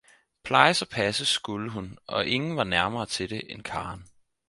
plejes og passes skulle hun og ingen var nærmere til det, end Karen.